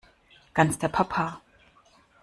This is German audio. Ganz der Papa!